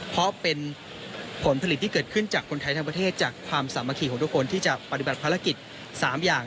เพราะเป็นผลผลิตที่เกิดขึ้นจากคนไทยทั้งประเทศจากความสามัคคีของทุกคนที่จะปฏิบัติภารกิจ๓อย่าง